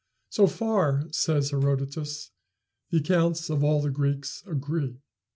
So far, says Herodotus, the accounts of all the Greeks agree.